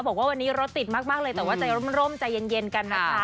บอกว่าวันนี้รถติดมากเลยแต่ว่าใจร่มใจเย็นกันนะคะ